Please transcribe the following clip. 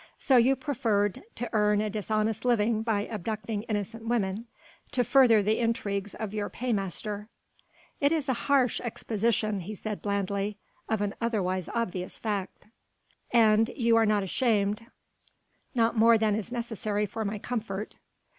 "So you preferred to earn a dishonest living by abducting innocent women, to further the intrigues of your paymaster." "It is a harsh exposition," he said blandly, "of an otherwise obvious fact." "And you are not ashamed." "Not more than is necessary for my comfort."